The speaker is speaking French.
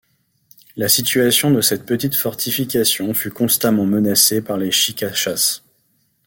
La situation de cette petite fortification fut constamment menacée par les Chicachas.